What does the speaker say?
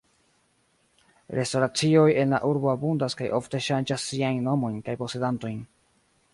Restoracioj en la urbo abundas kaj ofte ŝanĝas siajn nomojn kaj posedantojn.